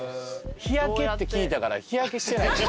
日焼けって聞いたから日焼けしてない。